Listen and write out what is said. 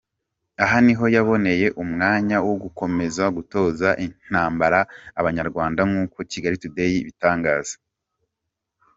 Aha niho yaboneye umwanya wo gukomeza gutoza intambara Abanyarwanda nkuko Kigali today ibitangaza.